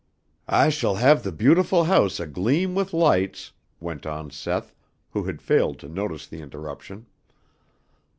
"I shall have the beautiful house agleam with lights," went on Seth, who had failed to notice the interruption.